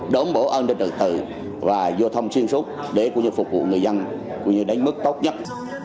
đón bổ an ninh trật tự và vô thông xuyên sốt để phục vụ người dân đánh mức tốt nhất